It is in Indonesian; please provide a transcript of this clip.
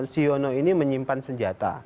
siono ini menyimpan senjata